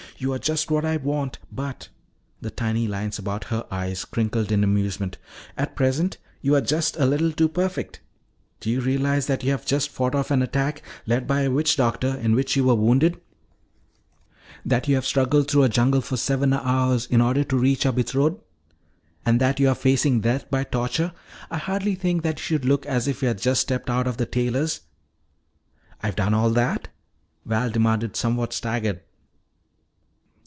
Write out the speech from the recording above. "You are just what I want. But," the tiny lines about her eyes crinkled in amusement, "at present you are just a little too perfect. Do you realize that you have just fought off an attack, led by a witch doctor, in which you were wounded; that you have struggled through a jungle for seven hours in order to reach your betrothed; and that you are now facing death by torture? I hardly think that you should look as if you had just stepped out of the tailor's " "I've done all that?" Val demanded, somewhat staggered.